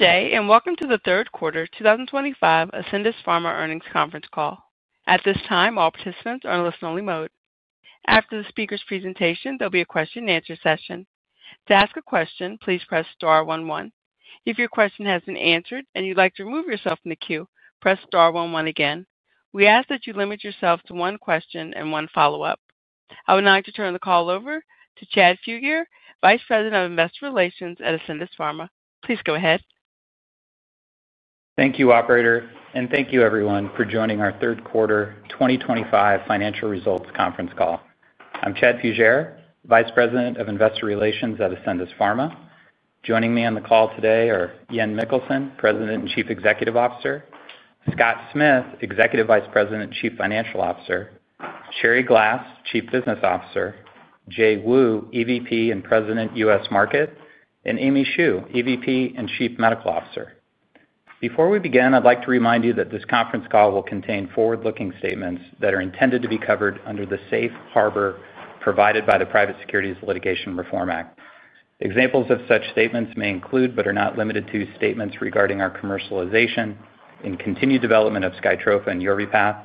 Good day, and welcome to the third quarter 2025 Ascendis Pharma earnings conference call. At this time, all participants are in listen-only mode. After the speaker's presentation, there'll be a question-and-answer session. To ask a question, please press star 11. If your question has been answered and you'd like to remove yourself from the queue, press star 11 again. We ask that you limit yourself to one question and one follow-up. I would now like to turn the call over to Chad Fuger, Vice President of Investor Relations at Ascendis Pharma. Please go ahead. Thank you, Operator, and thank you, everyone, for joining our third quarter 2025 financial results conference call. I'm Chad Fuger, Vice President of Investor Relations at Ascendis Pharma. Joining me on the call today are Jan Mikkelsen, President and Chief Executive Officer, Scott Smith, Executive Vice President and Chief Financial Officer, Sherrie Glass, Chief Business Officer, Jay Wu, EVP and President, U.S. Market, and Aimee Shu, EVP and Chief Medical Officer. Before we begin, I'd like to remind you that this conference call will contain forward-looking statements that are intended to be covered under the safe harbor provided by the Private Securities Litigation Reform Act. Examples of such statements may include, but are not limited to, statements regarding our commercialization and continued development of SKYTROFA and YORVIPATH,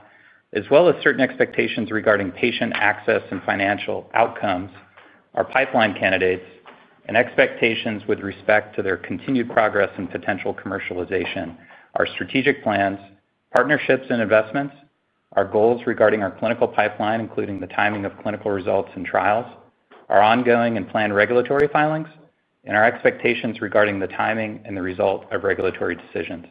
as well as certain expectations regarding patient access and financial outcomes, our pipeline candidates, and expectations with respect to their continued progress and potential commercialization, our strategic plans, partnerships and investments, our goals regarding our clinical pipeline, including the timing of clinical results and trials, our ongoing and planned regulatory filings, and our expectations regarding the timing and the result of regulatory decisions.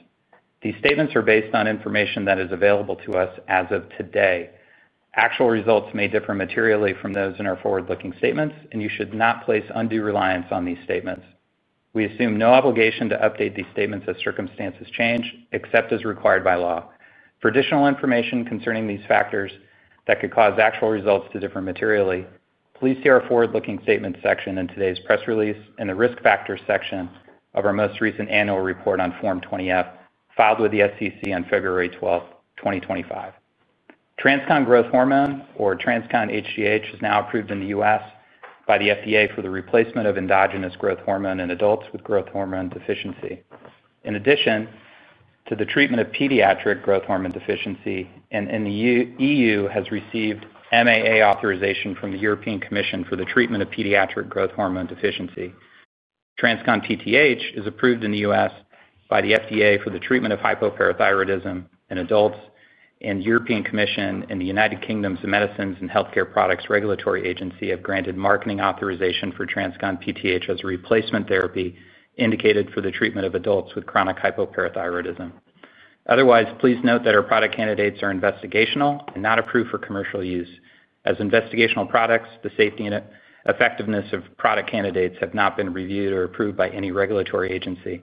These statements are based on information that is available to us as of today. Actual results may differ materially from those in our forward-looking statements, and you should not place undue reliance on these statements. We assume no obligation to update these statements as circumstances change, except as required by law. For additional information concerning these factors that could cause actual results to differ materially, please see our forward-looking statements section in today's press release and the risk factors section of our most recent annual report on Form 20-F filed with the SEC on February 12, 2025. TransCon Growth Hormone, or TransCon hGH, is now approved in the U.S. by the FDA for the replacement of endogenous growth hormone in adults with growth hormone deficiency. In addition to the treatment of pediatric growth hormone deficiency, and in the EU has received MAA authorization from the European Commission for the treatment of pediatric growth hormone deficiency. TransCon PTH is approved in the U.S. by the FDA for the treatment of hypoparathyroidism in adults, and the European Commission and the United Kingdom's Medicines and Healthcare Products Regulatory Agency have granted marketing authorization for TransCon PTH as a replacement therapy indicated for the treatment of adults with chronic hypoparathyroidism. Otherwise, please note that our product candidates are investigational and not approved for commercial use. As investigational products, the safety and effectiveness of product candidates have not been reviewed or approved by any regulatory agency.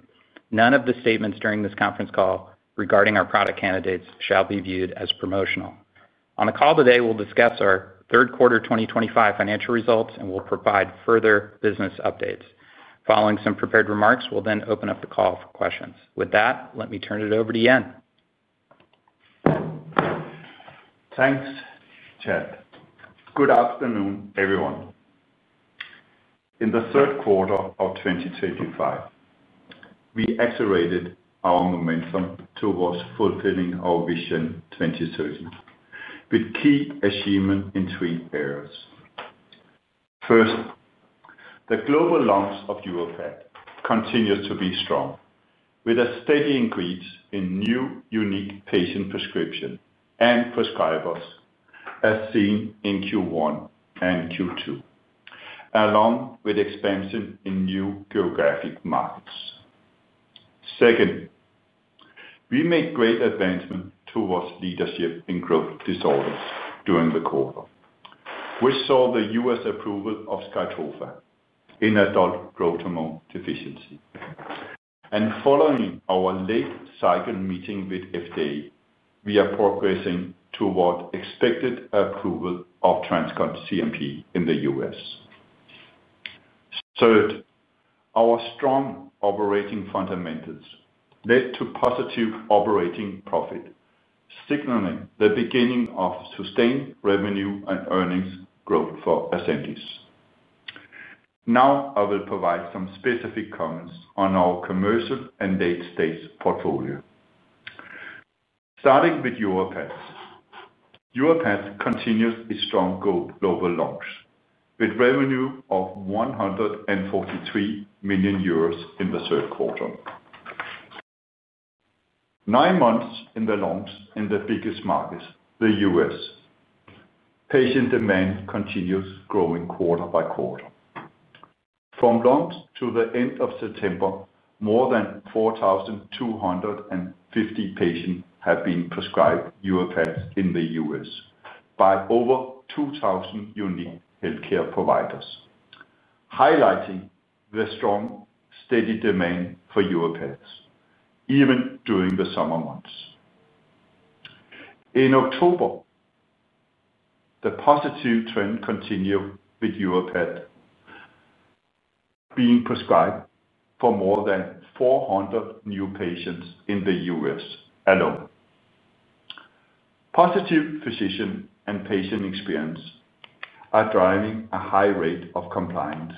None of the statements during this conference call regarding our product candidates shall be viewed as promotional. On the call today, we'll discuss our third quarter 2025 financial results and will provide further business updates. Following some prepared remarks, we'll then open up the call for questions. With that, let me turn it over to. Thanks, Chad. Good afternoon, everyone. In the third quarter of 2025, we accelerated our momentum towards fulfilling our Vision 2030 with key achievements in three areas. First, the global launch of Yorvipath continues to be strong, with a steady increase in new unique patient prescriptions and prescribers as seen in Q1 and Q2, along with expansion in new geographic markets. Second, we made great advancements towards leadership in growth disorders during the quarter. We saw the U.S. approval of SkyTrofa in adult growth hormone deficiency. And following our late cycle meeting with FDA, we are progressing toward expected approval of TransCon CNP in the U.S. Third, our strong operating fundamentals led to positive operating profit, signaling the beginning of sustained revenue and earnings growth for Ascendis. Now, I will provide some specific comments on our commercial and late-stage portfolio. Starting with YORVIPATH, YORVIPATH continues its strong global launch with revenue of 143 million euros in the third quarter. Nine months into the launch in the biggest markets, the U.S., patient demand continues growing quarter by quarter. From launch to the end of September, more than 4,250 patients have been prescribed YORVIPATH in the U.S. by over 2,000 unique healthcare providers, highlighting the strong, steady demand for YORVIPATH even during the summer months. In October, the positive trend continued with YORVIPATH being prescribed for more than 400 new patients in the U.S. alone. Positive physician and patient experience are driving a high rate of compliance,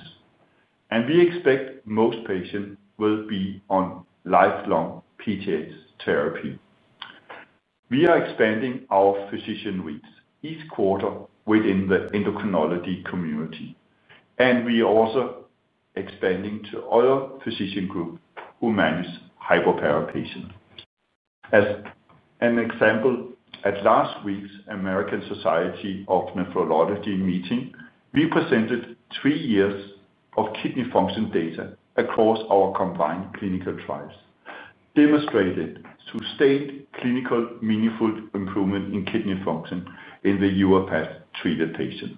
and we expect most patients will be on lifelong PTH therapy. We are expanding our physician reach each quarter within the endocrinology community, and we are also expanding to other physician groups who manage hypo parathyroid patients. As an example, at last week's American Society of Nephrology meeting, we presented three years of kidney function data across our combined clinical trials, demonstrating sustained clinical meaningful improvement in kidney function in the Yorvipath treated patients.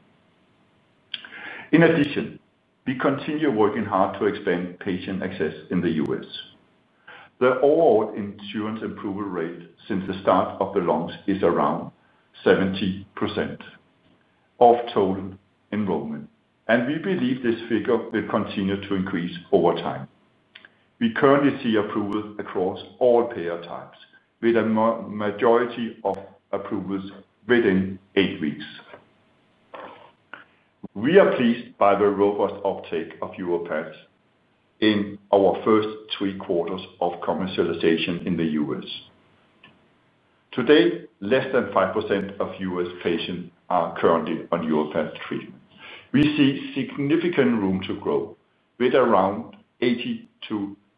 In addition, we continue working hard to expand patient access in the U.S. The overall insurance approval rate since the start of the launch is around 70% of total enrollment, and we believe this figure will continue to increase over time. We currently see approvals across all payer types, with a majority of approvals within eight weeks. We are pleased by the robust uptake of Yorvipath in our first three quarters of commercialization in the U.S. Today, less than 5% of U.S. patients are currently on Yorvipath treatment. We see significant room to grow, with around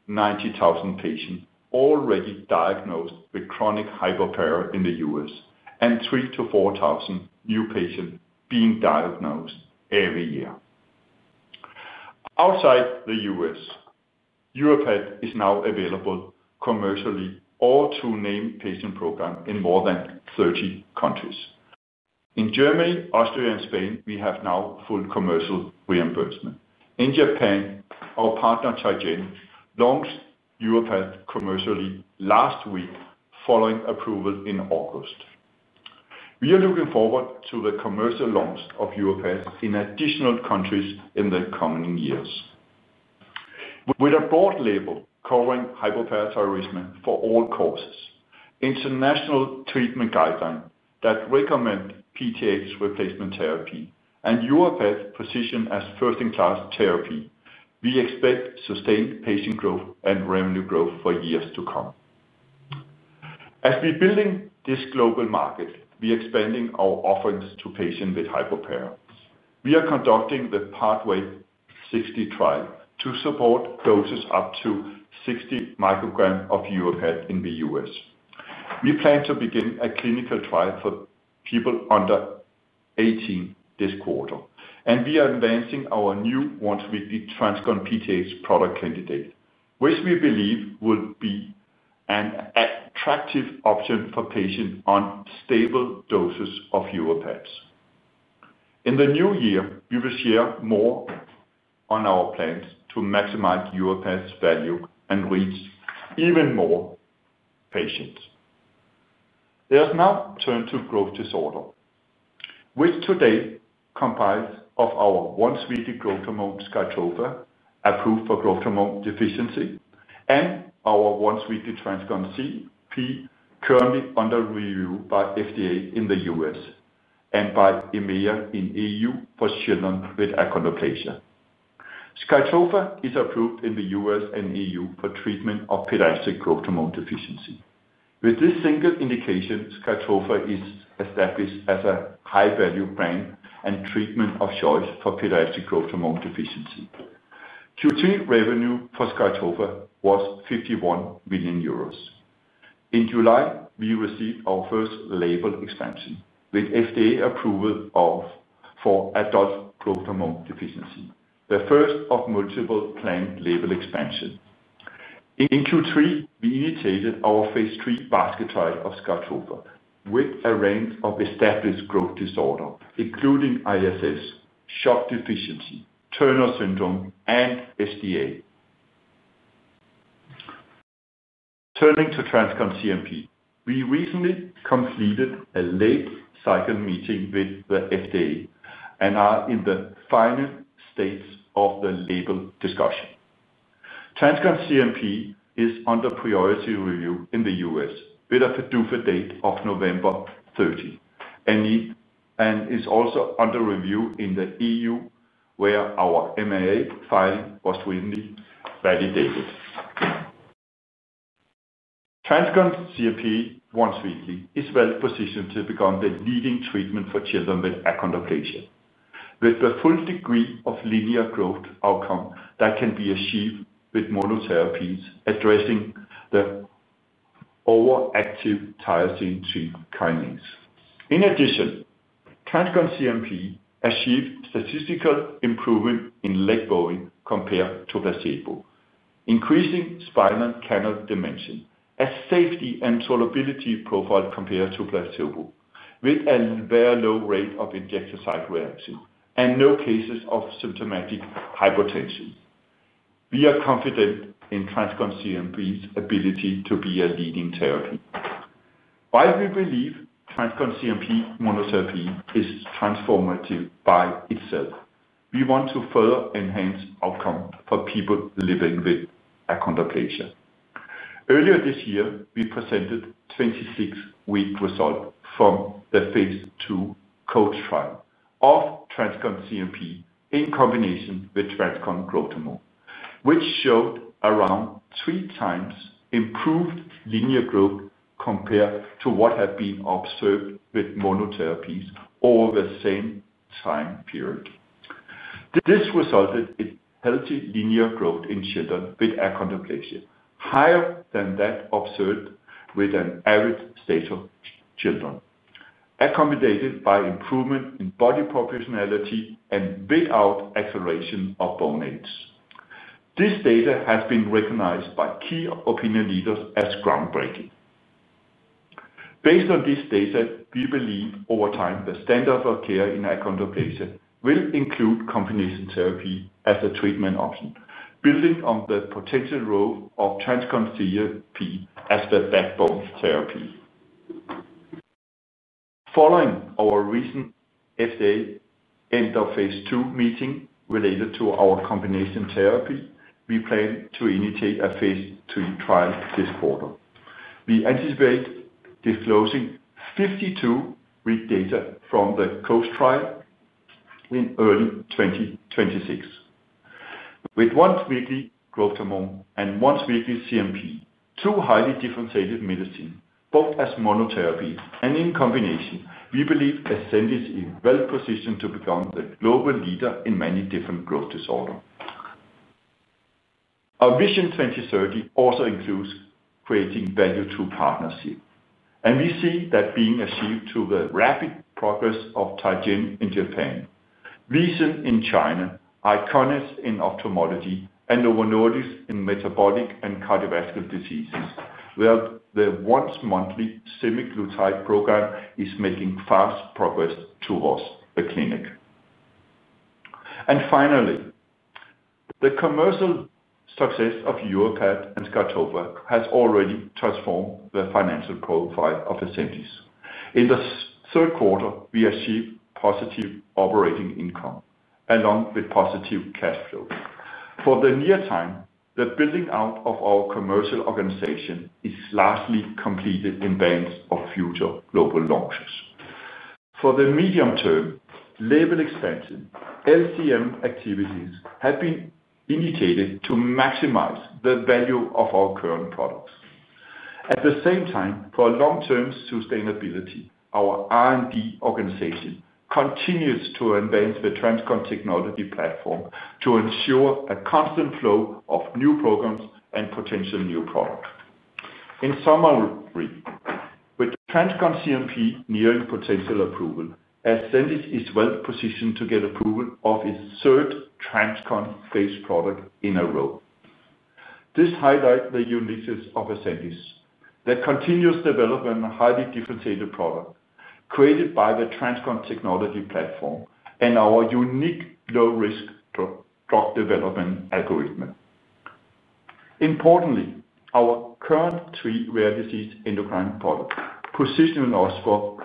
80,000-90,000 patients already diagnosed with chronic hypoparathyroidism in the U.S. 3,000-4,000 new patients being diagnosed every year. Outside the U.S., Yorvipath is now available commercially as well as named patient programs in more than 30 countries. In Germany, Austria, and Spain, we have now full commercial reimbursement. In Japan, our partner Teijin launched Yorvipath commercially last week following approval in August. We are looking forward to the commercial launch of Yorvipath in additional countries in the coming years. With a broad label covering hypoparathyroidism for all causes, international treatment guidelines that recommend PTH replacement therapy, and Yorvipath positioned as first-in-class therapy, we expect sustained patient growth and revenue growth for years to come. As we're building this global market, we are expanding our offerings to patients with hypoparathyroidism. We are conducting the PaTHway 60 trial to support doses up to 60 micrograms of Yorvipath in the U.S. We plan to begin a clinical trial for people under 18 this quarter, and we are advancing our new once-weekly TransCon PTH product candidate, which we believe will be an attractive option for patients on stable doses of Yorvipath. In the new year, we will share more on our plans to maximize Yorvipath's value and reach even more patients. Let us now turn to growth disorder, which today comprises our once-weekly Growth Hormone SKYTROFA approved for growth hormone deficiency and our once-weekly TransCon CNP currently under review by FDA in the U.S. and by EMA in the EU for children with achondroplasia. SKYTROFA is approved in the U.S. and EU for treatment of pediatric growth hormone deficiency. With this single indication, SKYTROFA is established as a high-value brand and treatment of choice for pediatric growth hormone deficiency. Q3 revenue for SKYTROFA was 51 million euros. In July, we received our first label expansion with FDA approval for adult growth hormone deficiency, the first of multiple planned label expansions. In Q3, we initiated our phase 3 basket trial of SKYTROFA with a range of established growth disorders, including ISS, SHOX deficiency, Turner syndrome, and SGA. Turning to TransCon CNP, we recently completed a late cycle meeting with the FDA and are in the final stage of the label discussion. TransCon CNP is under priority review in the U.S. with a due date of November 30 and is also under review in the EU, where our MAA filing was recently validated. TransCon CNP once-weekly is well positioned to become the leading treatment for children with achondroplasia, with the full degree of linear growth outcome that can be achieved with monotherapies addressing the overactive tyrosine kinase. In addition, TransCon CNP achieved statistical improvement in leg bowing compared to placebo, increasing spinal canal dimension as safety and tolerability profile compared to placebo, with a very low rate of injection site reaction and no cases of symptomatic hypotension. We are confident in TransCon CNP's ability to be a leading therapy. While we believe TransCon CNP monotherapy is transformative by itself, we want to further enhance outcomes for people living with achondroplasia. Earlier this year, we presented a 26-week result from the phase 2 co-trial of TransCon CNP in combination with TransCon Growth Hormone, which showed around three times improved linear growth compared to what had been observed with monotherapies over the same time period. This resulted in healthy linear growth in children with achondroplasia, higher than that observed with an average stature of children, accompanied by improvement in body proportionality and without acceleration of bone age. This data has been recognized by key opinion leaders as groundbreaking. Based on this data, we believe over time the standard of care in achondroplasia will include combination therapy as a treatment option, building on the potential role of TransCon CNP as the backbone therapy. Following our recent FDA end-of-phase 2 meeting related to our combination therapy, we plan to initiate a phase 3 trial this quarter. We anticipate disclosing 52-week data from the COAST trial in early 2026. With once-weekly Growth Hormone and once-weekly CNP, two highly differentiated medicines, both as monotherapy and in combination, we believe Ascendis is well positioned to become the global leader in many different growth disorders. Our vision 2030 also includes creating value through partnership, and we see that being achieved through the rapid progress of Teijin in Japan, VISEN in China, Eyconis in ophthalmology, and Novo Nordisk in metabolic and cardiovascular diseases, where the once-monthly semaglutide program is making fast progress towards the clinic. Finally, the commercial success of Yorvipath and SKYTROFA has already transformed the financial profile of Ascendis. In the third quarter, we achieved positive operating income along with positive cash flow. For the near term, the building out of our commercial organization is largely completed in advance of future global launches. For the medium term, label expansion LCM activities have been initiated to maximize the value of our current products. At the same time, for long-term sustainability, our R&D organization continues to advance the TransCon technology platform to ensure a constant flow of new programs and potential new products. In summary, with TransCon CNP nearing potential approval, Ascendis is well positioned to get approval of its third TransCon phased product in a row. This highlights the uniqueness of Ascendis, the continuous development of a highly differentiated product created by the TransCon technology platform and our unique low-risk drug development algorithm. Importantly, our current three rare disease endocrine products position us for durable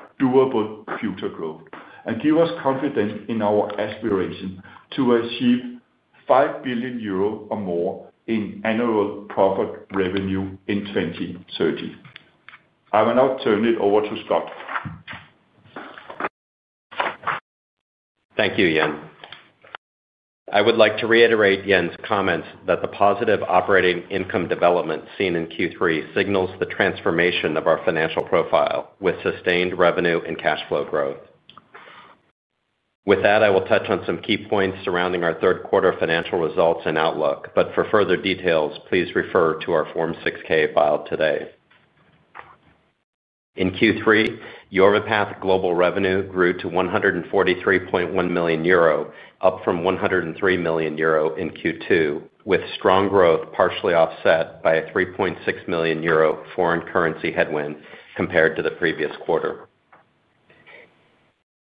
future growth and give us confidence in our aspiration to achieve 5 billion euro or more in annual profit revenue in 2030. I will now turn it over to Scott. Thank you, Jan. I would like to reiterate Jan's comments that the positive operating income development seen in Q3 signals the transformation of our financial profile with sustained revenue and cash flow growth. With that, I will touch on some key points surrounding our third quarter financial results and outlook, but for further details, please refer to our Form 6-K filed today. In Q3, our global revenue grew to 143.1 million euro, up from 103 million euro in Q2, with strong growth partially offset by a 3.6 million euro foreign currency headwind compared to the previous quarter.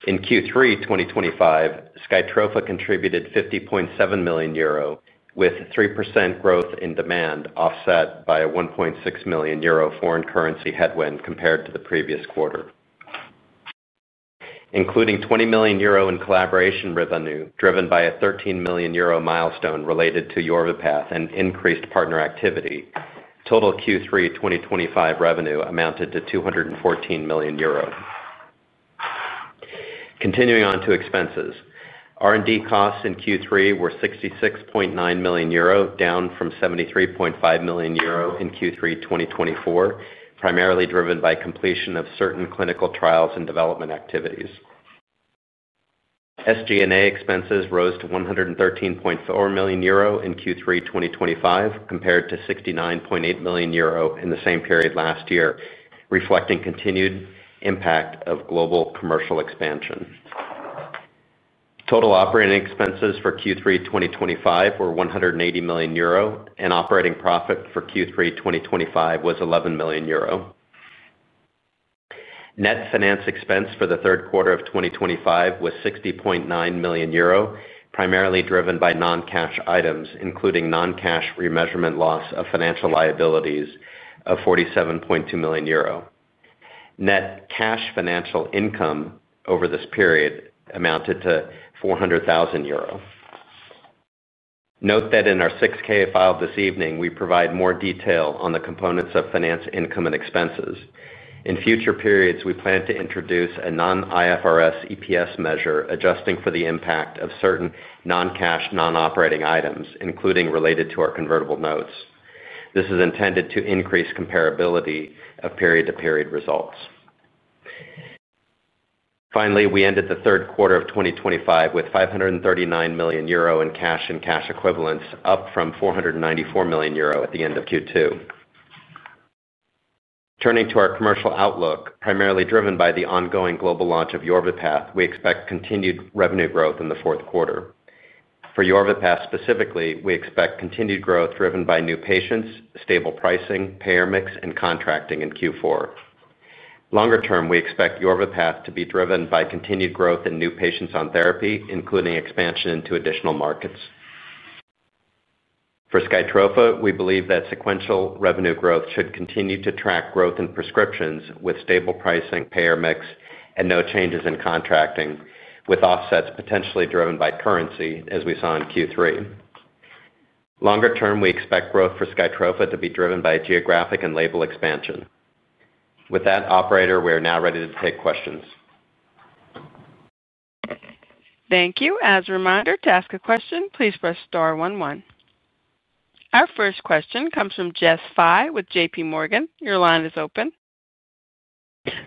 In Q3 2025, SkyTrofa contributed 50.7 million euro, with 3% growth in demand offset by a 1.6 million euro foreign currency headwind compared to the previous quarter. Including 20 million euro in collaboration revenue driven by a 13 million euro milestone related to Yorvipath and increased partner activity, total Q3 2025 revenue amounted to 214 million euro. Continuing on to expenses, R&D costs in Q3 were 66.9 million euro, down from 73.5 million euro in Q3 2024, primarily driven by completion of certain clinical trials and development activities. SG&A expenses rose to 113.4 million euro in Q3 2025 compared to 69.8 million euro in the same period last year, reflecting continued impact of global commercial expansion. Total operating expenses for Q3 2025 were 180 million euro, and operating profit for Q3 2025 was 11 million euro. Net finance expense for the third quarter of 2025 was 60.9 million euro, primarily driven by non-cash items, including non-cash remeasurement loss of financial liabilities of 47.2 million euro. Net cash financial income over this period amounted to 400,000 euro. Note that in our 6K filed this evening, we provide more detail on the components of finance, income, and expenses. In future periods, we plan to introduce a non-IFRS EPS measure adjusting for the impact of certain non-cash non-operating items, including related to our convertible notes. This is intended to increase comparability of period-to-period results. Finally, we ended the third quarter of 2025 with 539 million euro in cash and cash equivalents, up from 494 million euro at the end of Q2. Turning to our commercial outlook, primarily driven by the ongoing global launch of YORVIPATH, we expect continued revenue growth in the fourth quarter. For YORVIPATH specifically, we expect continued growth driven by new patients, stable pricing, payer mix, and contracting in Q4. Longer term, we expect YORVIPATH to be driven by continued growth in new patients on therapy, including expansion into additional markets. For SKYTROFA, we believe that sequential revenue growth should continue to track growth in prescriptions with stable pricing, payer mix, and no changes in contracting, with offsets potentially driven by currency, as we saw in Q3. Longer term, we expect growth for SKYTROFA to be driven by geographic and label expansion. With that, operator, we are now ready to take questions. Thank you. As a reminder, to ask a question, please press star 11. Our first question comes from Jess Fye with JPMorgan. Your line is open.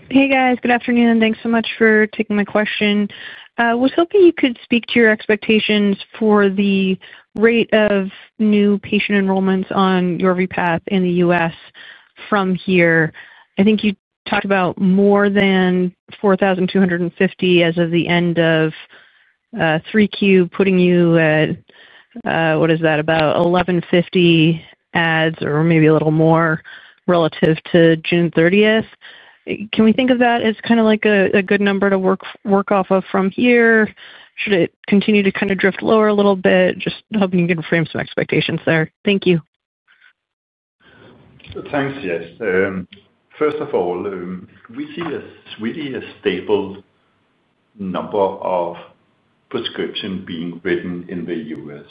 Hey, guys. Good afternoon. Thanks so much for taking my question. I was hoping you could speak to your expectations for the rate of new patient enrollments on Yorvipath in the U.S. from here. I think you talked about more than 4,250 as of the end of 3Q, putting you at, what is that, about 1,150 adds or maybe a little more relative to June 30th. Can we think of that as kind of like a good number to work off of from here? Should it continue to kind of drift lower a little bit? Just hoping you can frame some expectations there. Thank you. Thanks, Jess. First of all, we see a really stable number of prescriptions being written in the U.S.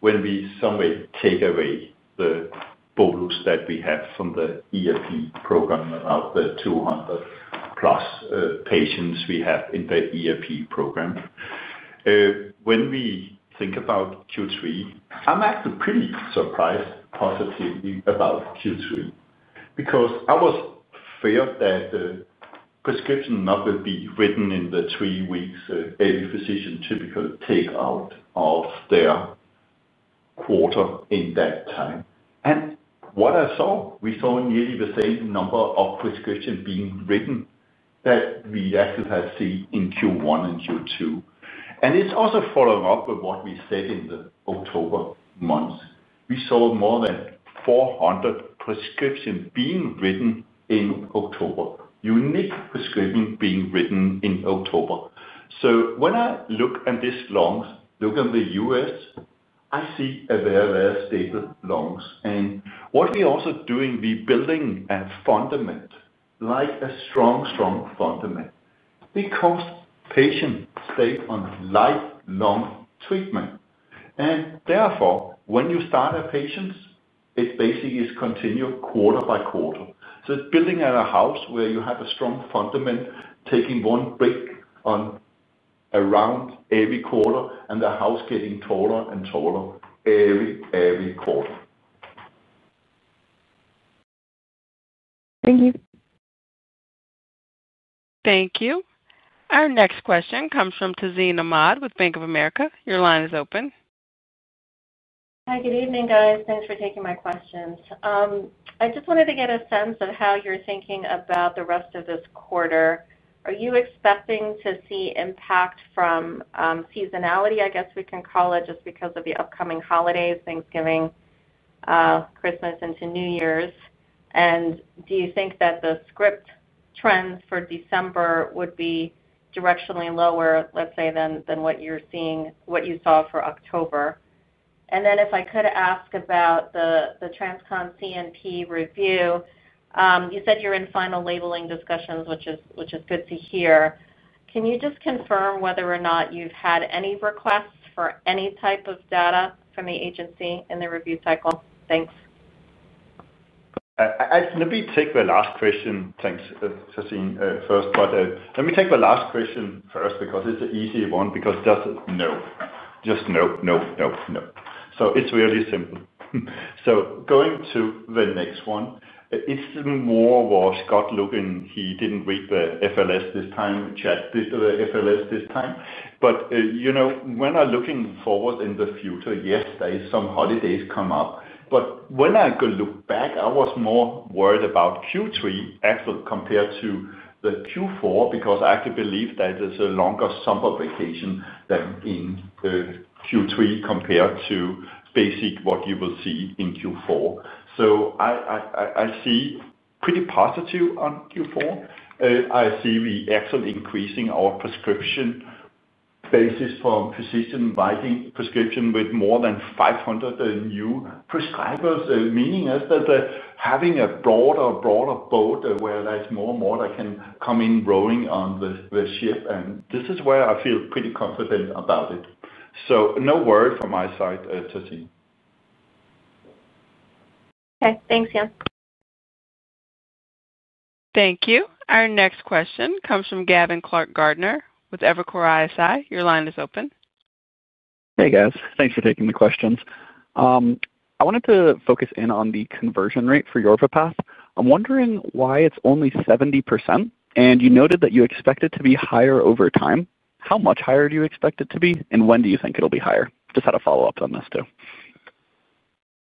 When we somehow take away the bonus that we have from the EAP program about the 200-plus patients we have in the EAP program. When we think about Q3, I'm actually pretty surprised positively about Q3 because I was afraid that the prescriptions would not be written in the three weeks every physician typically takes out of their quarter in that time. And what I saw, we saw nearly the same number of prescriptions being written that we actually had seen in Q1 and Q2. And it's also following up with what we said in October. We saw more than 400 prescriptions being written in October, unique prescriptions being written in October. So when I look at it long-term, look at the U.S., I see a very, very stable long-term. What we're also doing, we're building a foundation, like a strong, strong foundation because patients stay on lifelong treatment. Therefore, when you start a patient, it basically is continued quarter by quarter. So building on a house where you have a strong foundation, taking one brick around every quarter and the house getting taller and taller every, every quarter. Thank you. Thank you. Our next question comes from Tazeen Ahmad with Bank of America. Your line is open. Hi, good evening, guys. Thanks for taking my questions. I just wanted to get a sense of how you're thinking about the rest of this quarter. Are you expecting to see impact from seasonality, I guess we can call it, just because of the upcoming holidays, Thanksgiving, Christmas, into New Year's? And do you think that the script trends for December would be directionally lower, let's say, than what you're seeing, what you saw for October? And then if I could ask about the TransCon CNP review, you said you're in final labeling discussions, which is good to hear. Can you just confirm whether or not you've had any requests for any type of data from the agency in the review cycle? Thanks. Actually, let me take the last question. Thanks, Tazeen, first. But let me take the last question first because it's the easy one because just no, just no, no, no, no. So it's really simple. So going to the next one, it's more of a Scott looking. He didn't read the FLS this time, checked the FLS this time. But when I'm looking forward in the future, yes, there are some holidays coming up. But when I go look back, I was more worried about Q3 actually compared to the Q4 because I actually believe that there's a longer summer vacation than in Q3 compared to basic what you will see in Q4. So I see pretty positive on Q4. I see we actually increasing our prescription basis from physician writing prescription with more than 500 new prescribers, meaning that having a broader, broader boat where there's more and more that can come in rowing on the ship. And this is where I feel pretty confident about it. So no worry from my side, Tazeen. Okay. Thanks, Jan. Thank you. Our next question comes from Gavin Clark-Gartner with Evercore ISI. Your line is open. Hey, guys. Thanks for taking the questions. I wanted to focus in on the conversion rate for Yorvipath. I'm wondering why it's only 70%, and you noted that you expect it to be higher over time. How much higher do you expect it to be, and when do you think it'll be higher? Just had a follow-up on this too.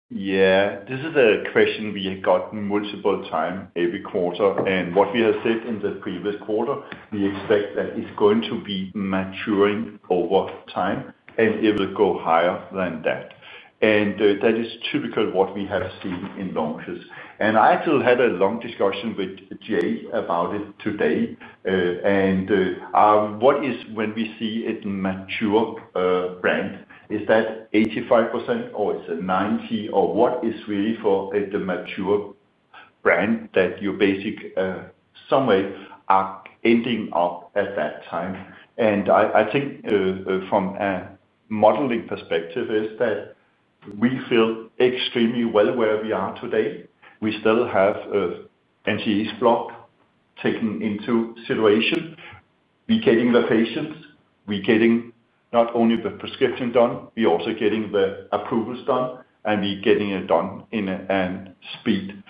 Yeah. This is a question we had gotten multiple times every quarter. And what we have said in the previous quarter, we expect that it's going to be maturing over time, and it will go higher than that. And that is typical what we have seen in launches. And I actually had a long discussion with Jay about it today. And what is, when we see it mature brand, is that 85% or it's a 90% or what is really for the mature brand that you basically some way are ending up at that time. I think from a modeling perspective is that we feel extremely well where we are today. We still have an NDC block taking into situation. We're getting the patients. We're getting not only the prescription done, we're also getting the approvals done, and we're getting it done in a speed.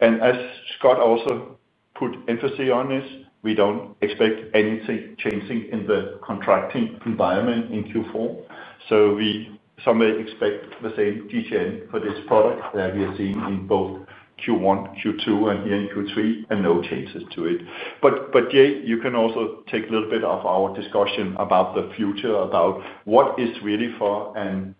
And as Scott also put emphasis on this, we don't expect anything changing in the contracting environment in Q4. So we some way expect the same GTN for this product that we have seen in both Q1, Q2, and here in Q3, and no changes to it. But Jay, you can also take a little bit of our discussion about the future, about what is really for a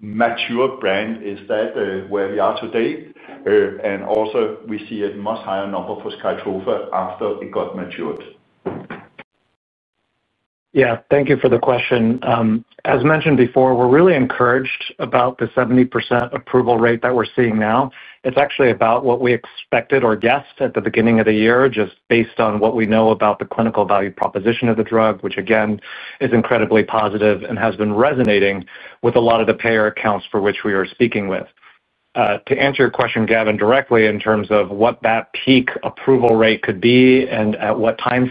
mature brand, is that where we are today. And also, we see a much higher number for SKYTROFA after it got matured. Yeah. Thank you for the question. As mentioned before, we're really encouraged about the 70% approval rate that we're seeing now. It's actually about what we expected or guessed at the beginning of the year, just based on what we know about the clinical value proposition of the drug, which again is incredibly positive and has been resonating with a lot of the payer accounts for which we are speaking with. To answer your question, Gavin, directly in terms of what that peak approval rate could be and at what time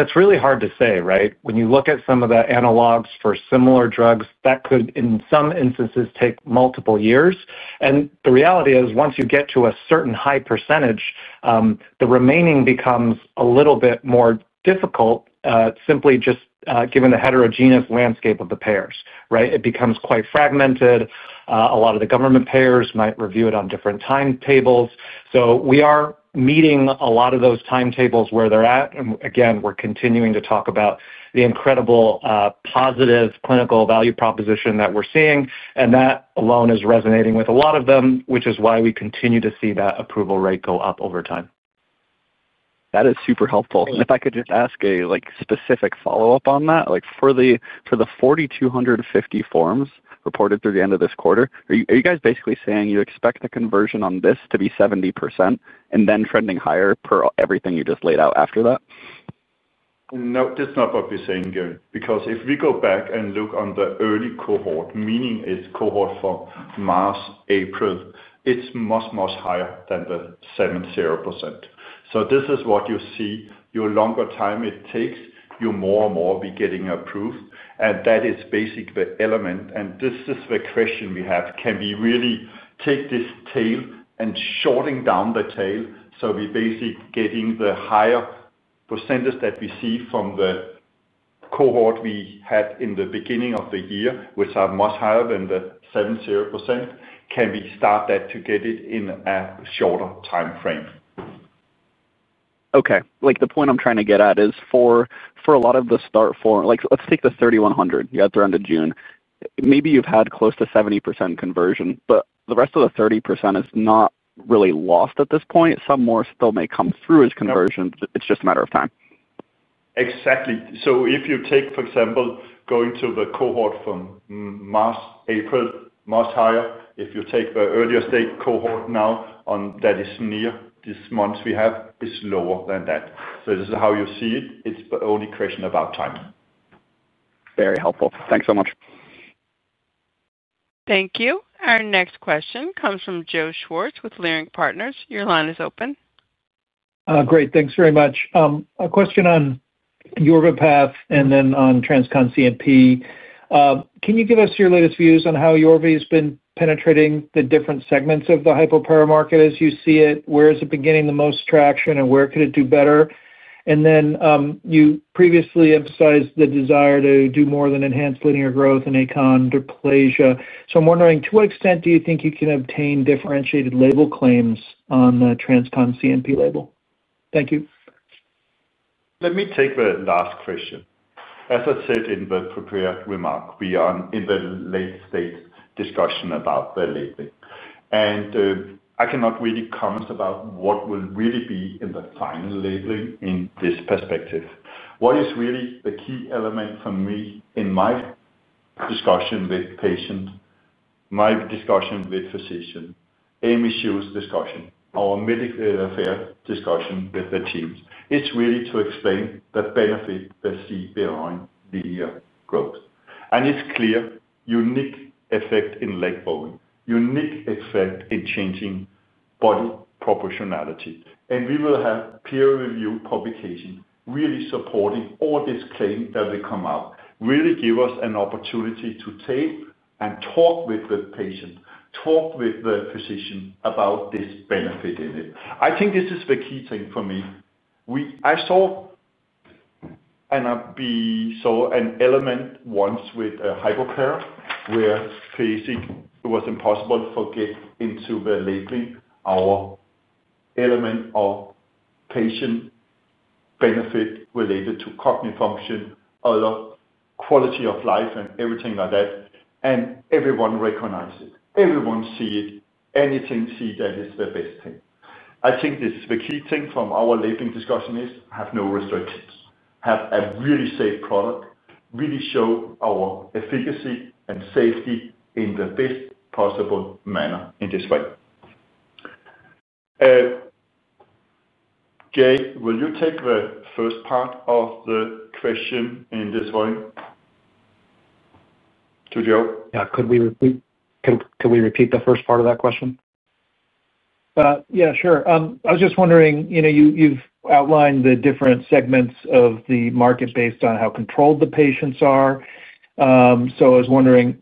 frame, that's really hard to say, right? When you look at some of the analogs for similar drugs, that could in some instances take multiple years, and the reality is, once you get to a certain high percentage, the remaining becomes a little bit more difficult simply just given the heterogeneous landscape of the payers, right? It becomes quite fragmented. A lot of the government payers might review it on different timetables. So we are meeting a lot of those timetables where they're at. And again, we're continuing to talk about the incredible positive clinical value proposition that we're seeing. And that alone is resonating with a lot of them, which is why we continue to see that approval rate go up over time. That is super helpful. If I could just ask a specific follow-up on that, for the 4,250 forms reported through the end of this quarter, are you guys basically saying you expect the conversion on this to be 70% and then trending higher per everything you just laid out after that? No, that's not what we're saying, Gavin, because if we go back and look on the early cohort, meaning it's cohort from March, April, it's much, much higher than the 70%. So this is what you see. The longer the time it takes, the more and more getting approved. And that is basically the element. And this is the question we have. Can we really take this tail and shorten down the tail? So we're basically getting the higher percentage that we see from the cohort we had in the beginning of the year, which are much higher than the 70%. Can we get that in a shorter time frame? Okay. The point I'm trying to get at is for a lot of the starters, let's take the 3,100 you had through to June. Maybe you've had close to 70% conversion, but the rest of the 30% is not really lost at this point. Some more still may come through as conversion. It's just a matter of time. Exactly. So if you take, for example, going to the cohort from March, April, much higher. If you take the earlier stage cohort now on that is near this month we have, it's lower than that. So this is how you see it. It's only a question about time. Very helpful. Thanks so much. Thank you. Our next question comes from Joe Schwartz with Leerink Partners. Your line is open. Great. Thanks very much. A question on Yorvipath and then on TransCon CNP. Can you give us your latest views on how Yorvipath has been penetrating the different segments of the hypopara market as you see it? Where is it beginning the most traction, and where could it do better? And then you previously emphasized the desire to do more than enhance linear growth and achondroplasia. So I'm wondering, to what extent do you think you can obtain differentiated label claims on the TransCon CNP label? Thank you. Let me take the last question. As I said in the prepared remark, we are in the late stage discussion about the labeling. And I cannot really comment about what will really be in the final labeling in this perspective. What is really the key element for me in my discussion with patients, my discussion with physicians, Aimee Shu's discussion, our medical affairs discussion with the teams, is really to explain the benefit they see behind linear growth. And it's clear, unique effect in leg bone, unique effect in changing body proportionality. And we will have peer-reviewed publication really supporting all this claim that will come out, really give us an opportunity to take and talk with the patient, talk with the physician about this benefit in it. I think this is the key thing for me. I saw an element once with hypopara where basically it was impossible to get into the labeling, our element of patient benefit related to cognitive function, other quality of life, and everything like that, and everyone recognized it. Everyone sees it. And it sees that it's the best thing. I think the key thing from our labeling discussion is have no restrictions, have a really safe product, really show our efficacy and safety in the best possible manner in this way. Jay, will you take the first part of the question in this way to Joe? Yeah. Could we repeat the first part of that question? Yeah, sure. I was just wondering, you've outlined the different segments of the market based on how controlled the patients are. So I was wondering,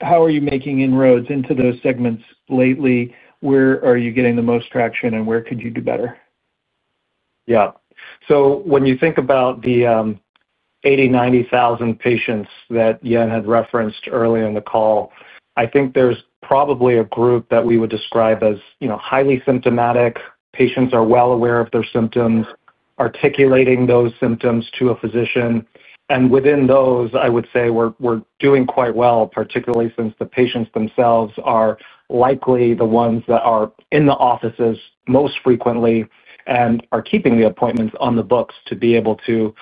how are you making inroads into those segments lately? Where are you getting the most traction, and where could you do better? Yeah. So when you think about the 80,000, 90,000 patients that Jan had referenced earlier in the call, I think there's probably a group that we would describe as highly symptomatic. Patients are well aware of their symptoms, articulating those symptoms to a physician. And within those, I would say we're doing quite well, particularly since the patients themselves are likely the ones that are in the offices most frequently and are keeping the appointments on the books to be able to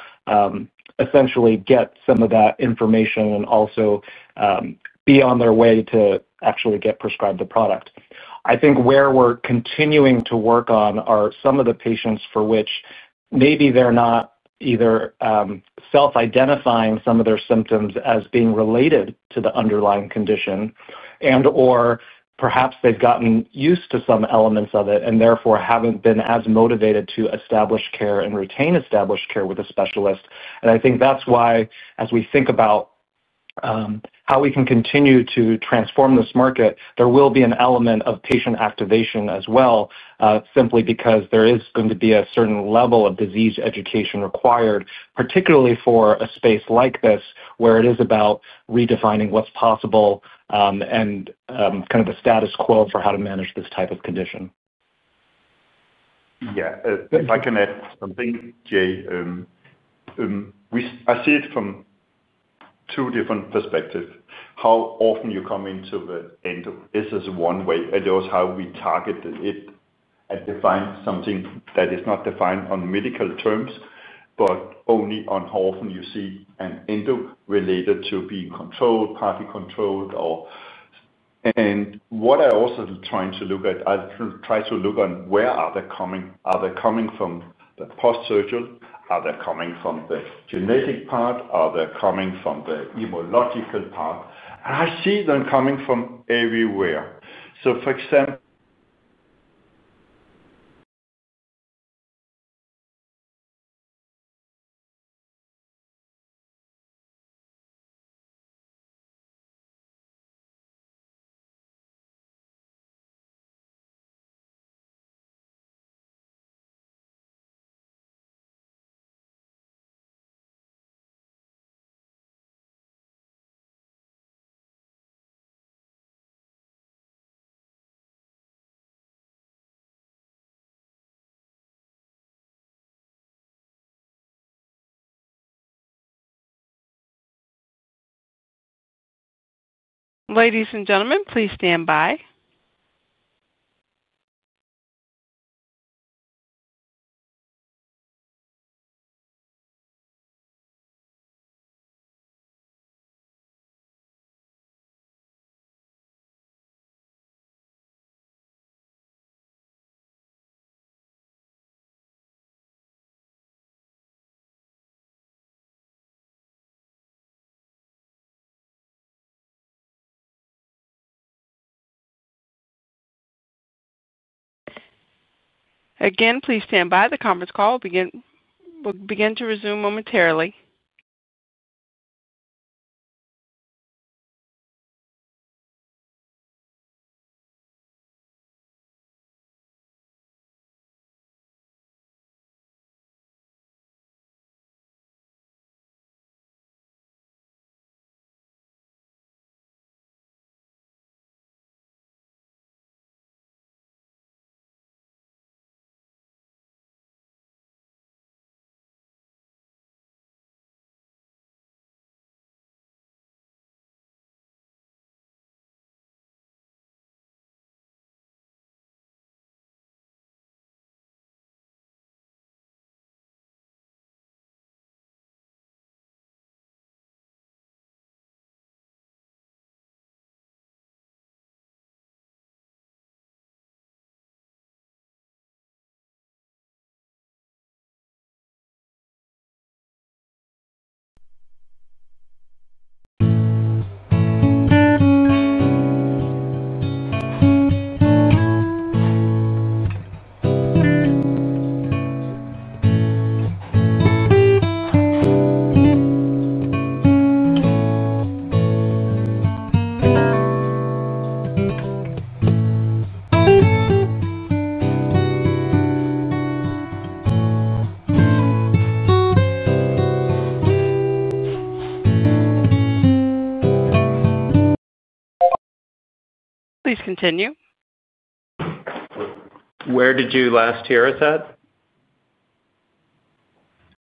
essentially get some of that information and also be on their way to actually get prescribed the product. I think where we're continuing to work on are some of the patients for which maybe they're not either self-identifying some of their symptoms as being related to the underlying condition, and/or perhaps they've gotten used to some elements of it and therefore haven't been as motivated to establish care and retain established care with a specialist, and I think that's why, as we think about how we can continue to transform this market, there will be an element of patient activation as well, simply because there is going to be a certain level of disease education required, particularly for a space like this where it is about redefining what's possible and kind of the status quo for how to manage this type of condition. Yeah. If I can add something, Jay, I see it from two different perspectives. How often you come into the endo is one way, and also how we target it and define something that is not defined on medical terms, but only on how often you see an endo related to being controlled, partly controlled. And what I also am trying to look at, I try to look on where are they coming? Are they coming from the post-surgical? Are they coming from the genetic part? Are they coming from the immunological part? And I see them coming from everywhere. So for example. Ladies and gentlemen, please stand by. Again, please stand by. The conference call will begin to resume momentarily. Please continue. Where did you last hear us at?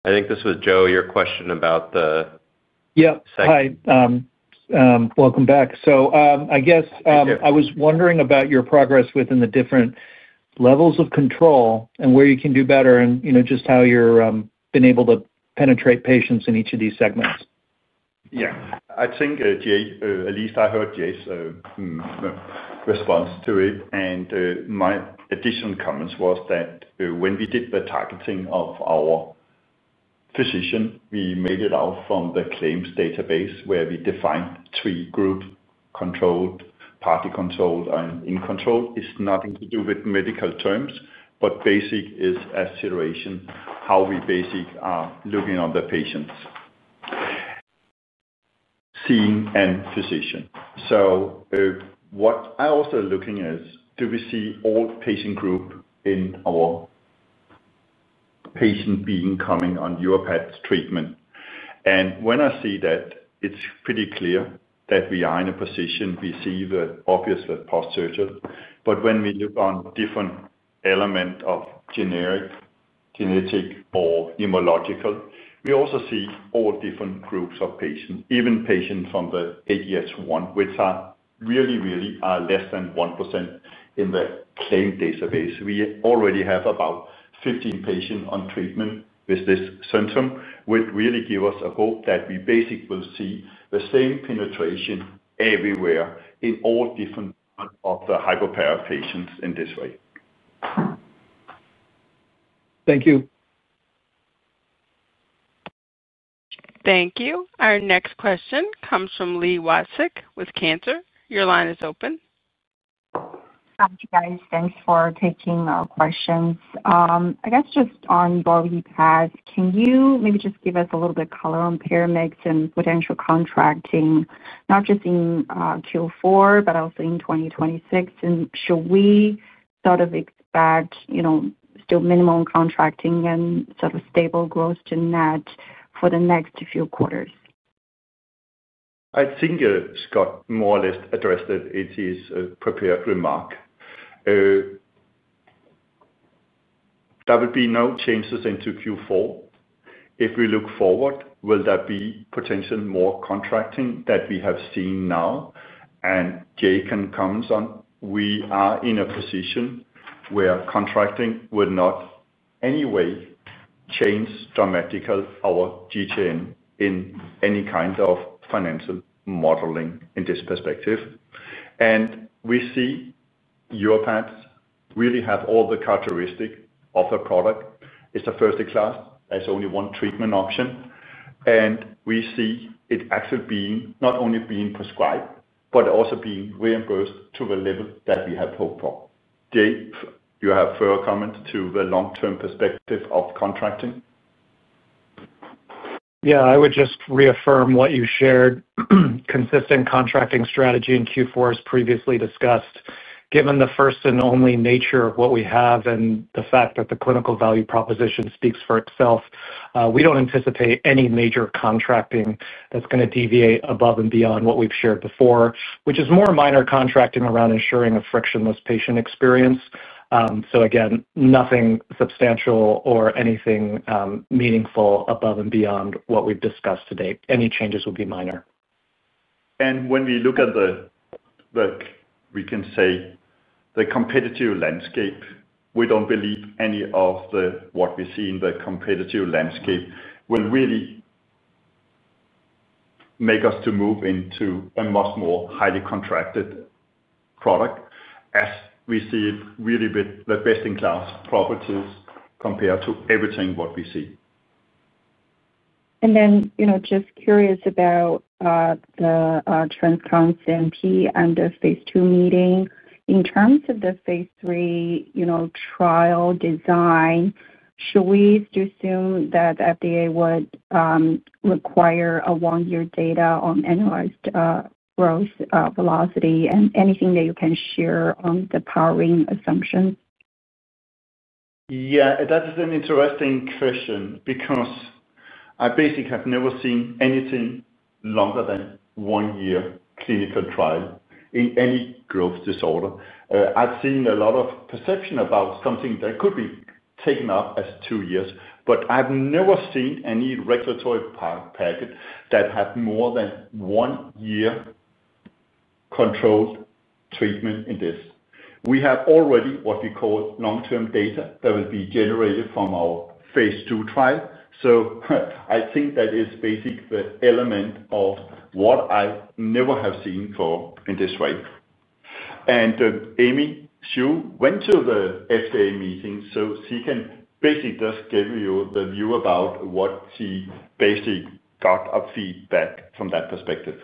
I think this was Joe, your question about the. Yeah. Hi. Welcome back. I guess I was wondering about your progress within the different levels of control and where you can do better and just how you've been able to penetrate patients in each of these segments. Yeah. I think, Jay, at least I heard Jay's response to it. And my additional comments was that when we did the targeting of our physician, we mapped it out from the claims database where we defined three groups: controlled, partly controlled, and uncontrolled. It's nothing to do with medical terms, but basically it's a situation how we basically are looking at the patients from the physician's end. So what I'm also looking at is, do we see all patient groups in our patient base coming on Yorvipath treatment? And when I see that, it's pretty clear that we are in a position we see the obvious post-surgical. But when we look at different elements of genetic, genetic, or immunological, we also see all different groups of patients, even patients from the ADH1, which really, really are less than 1% in the claim database. We already have about 15 patients on treatment with this syndrome, which really gives us hope that we basically will see the same penetration everywhere in all different parts of the hypopara patients in this way. Thank you. Thank you. Our next question comes from Li Watsek with Cantor. Your line is open. Hi, guys. Thanks for taking our questions. I guess just on Yorvipath, can you maybe just give us a little bit of color on PBMs and potential contracting, not just in Q4, but also in 2026? And should we sort of expect still minimal contracting and sort of stable gross-to-net for the next few quarters? I think it's got more or less addressed. It is a prepared remark. There would be no changes into Q4. If we look forward, will there be potential more contracting that we have seen now? And Jay can comment on, we are in a position where contracting will not in any way change dramatically our GTN in any kind of financial modeling in this perspective. And we see Yorvipath really have all the characteristics of a product. It's a first-class. There's only one treatment option. And we see it actually not only being prescribed, but also being reimbursed to the level that we have hoped for. Jay, you have further comment to the long-term perspective of contracting? Yeah. I would just reaffirm what you shared. Consistent contracting strategy in Q4 is previously discussed. Given the first and only nature of what we have and the fact that the clinical value proposition speaks for itself, we don't anticipate any major contracting that's going to deviate above and beyond what we've shared before, which is more minor contracting around ensuring a frictionless patient experience, so again, nothing substantial or anything meaningful above and beyond what we've discussed today. Any changes will be minor, and when we look at the competitive landscape, we don't believe any of what we see in the competitive landscape will really make us to move into a much more highly contracted product as we see it really with the best-in-class properties compared to everything what we see. And then just curious about the TransCon CNP and the phase two meeting. In terms of the phase three trial design, should we assume that FDA would require a one-year data on annualized growth velocity and anything that you can share on the powering assumptions? Yeah. That is an interesting question because I basically have never seen anything longer than one-year clinical trial in any growth disorder. I've seen a lot of precedent about something that could be taken as two years, but I've never seen any regulatory precedent that had more than one-year controlled treatment in this. We have already what we call long-term data that will be generated from our phase two trial. So I think that is basically the element of what I never have seen in this way. Aimee Shu went to the FDA meeting, so she can basically just give you the view about what she basically got of feedback from that perspective.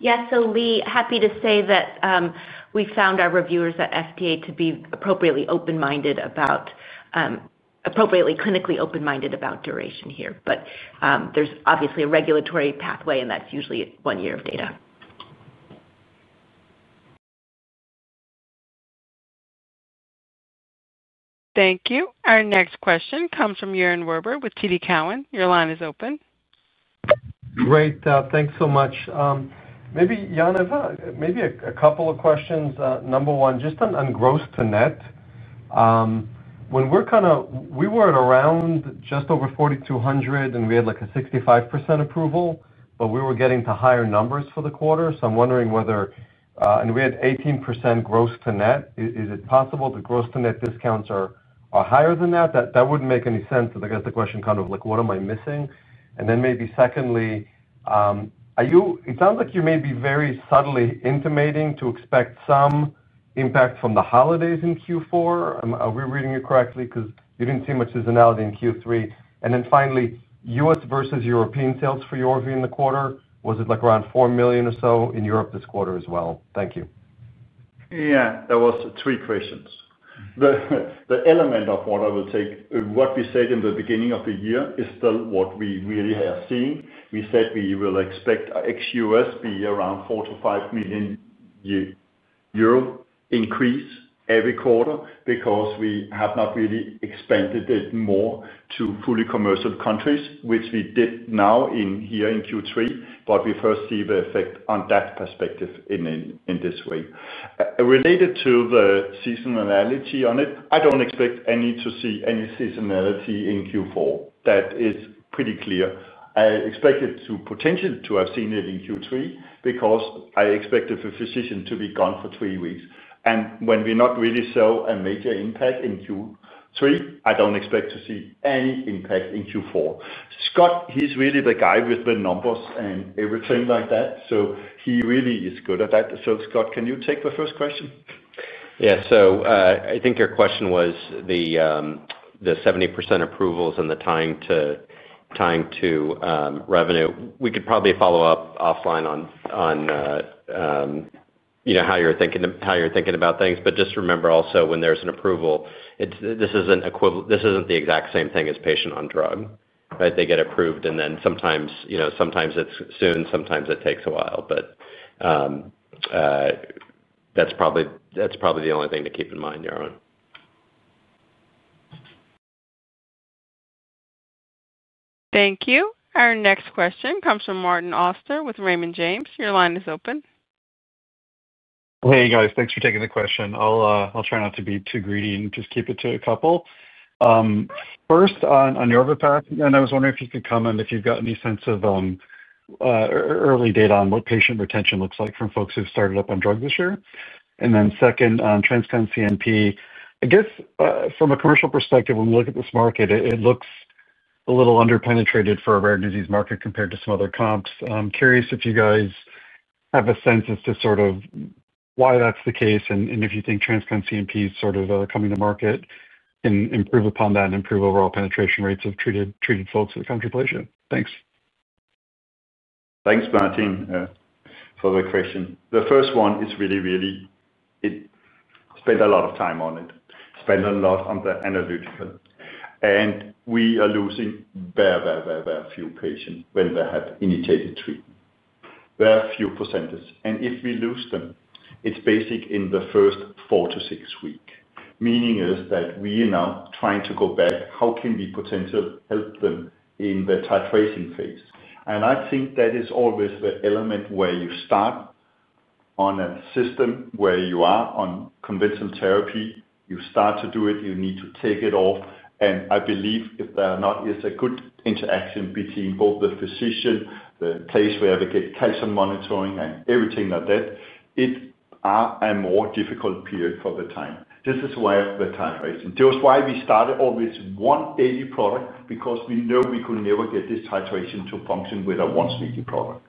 Yeah. So we're happy to say that we found our reviewers at FDA to be appropriately open-minded about, appropriately clinically open-minded about duration here. But there's obviously a regulatory pathway, and that's usually one year of data. Thank you. Our next question comes from Yaron Werber with TD Cowen. Your line is open. Great. Thanks so much. Maybe, Jan, maybe a couple of questions. Number one, just on gross-to-net. When we're kind of, we were at around just over 4,200, and we had like a 65% approval, but we were getting to higher numbers for the quarter. So I'm wondering whether, and we had 18% gross-to-net. Is it possible the gross-to-net discounts are higher than that? That wouldn't make any sense. I guess the question kind of like, what am I missing? And then maybe secondly, it sounds like you may be very subtly intimating to expect some impact from the holidays in Q4. Are we reading it correctly? Because you didn't see much seasonality in Q3. And then finally, U.S. versus European sales for Yorvipath in the quarter, was it like around 4 million or so in Europe this quarter as well? Thank you. Yeah. There were three questions. The element of what I will take, what we said in the beginning of the year is still what we really have seen. We said we will expect ex-U.S. to be around 4 million-5 million euro increase every quarter because we have not really expanded it more to fully commercial countries, which we did now here in Q3, but we first see the effect on that perspective in this way. Related to the seasonality on it, I don't expect to see any seasonality in Q4. That is pretty clear. I expected to potentially have seen it in Q3 because I expected the physician to be gone for three weeks, and when we weren't really seeing a major impact in Q3, I don't expect to see any impact in Q4. Scott, he's really the guy with the numbers and everything like that. So he really is good at that. So Scott, can you take the first question? Yeah, so I think your question was the 70% approvals and the tying to revenue. We could probably follow up offline on how you're thinking about things, but just remember also when there's an approval, this isn't the exact same thing as patient on drug, right? They get approved, and then sometimes it's soon, sometimes it takes a while. But that's probably the only thing to keep in mind, Yaron. Thank you. Our next question comes from Martin Auster with Raymond James. Your line is open. Hey, guys. Thanks for taking the question. I'll try not to be too greedy and just keep it to a couple. First, on Yorvipath, I was wondering if you could comment if you've got any sense of early data on what patient retention looks like from folks who've started up on drug this year. And then second, on TransCon CNP, I guess from a commercial perspective, when we look at this market, it looks a little underpenetrated for a rare disease market compared to some other comps. I'm curious if you guys have a sense as to sort of why that's the case and if you think TransCon CNP is sort of coming to market and improve upon that and improve overall penetration rates of treated folks with achondroplasia? Thanks. Thanks, Martin, for the question. The first one is really, really, it spent a lot of time on it, spent a lot on the analytical, and we are losing very, very, very, very few patients when they have initiated treatment. Very few percentages. And if we lose them, it's basic in the first four-to-six weeks. Meaning is that we are now trying to go back, how can we potentially help them in the titration phase? And I think that is always the element where you start on a system where you are on conventional therapy, you start to do it, you need to take it off. And I believe if there is a good interaction between both the physician, the place where we get calcium monitoring and everything like that, it is a more difficult period for the time. This is why the titration. This is why we started always one daily product because we know we could never get this titration to function with a once-weekly product.